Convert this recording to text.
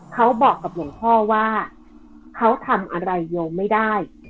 เขาบอกกับหลวงพ่อว่าเขาทำอะไรโยมไม่ได้